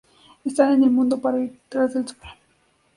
Estás en el mundo para ir detrás del sol.